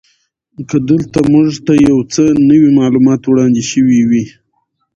که دلته موږ ته یو څه نوي معلومات وړاندې شوي وی.